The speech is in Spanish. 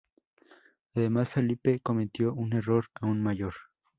Además, Felipe cometió un error aún mayor.